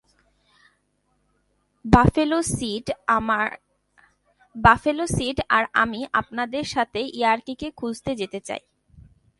Buffalo seed আর আমি আপনাদের সাথে ইয়াকারিকে খুঁজতে যেতে চাই।